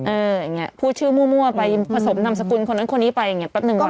เอออย่างเงี้ยพูดชื่อมั่วไปผสมนำสกุลคนตอนนี้ไปแบบนึงหวัง